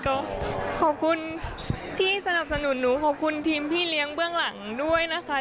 ก็ขอบคุณที่สนับสนุนหนูขอบคุณทีมพี่เลี้ยงเบื้องหลังด้วยนะคะ